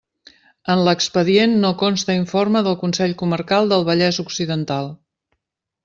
En l'expedient no consta informe del Consell Comarcal del Vallès Occidental.